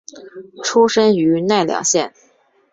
出身于奈良县。